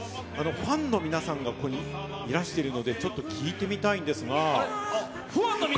ファンの皆さんいらしているので聞いてみたいんですが。